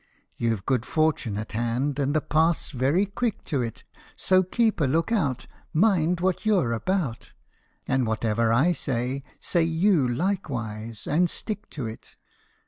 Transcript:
You Ve good fortune at hand, and the path 's very quick to it, So keep a look out, Mind what you 're about, And whatever I say, say you likewise and stick to it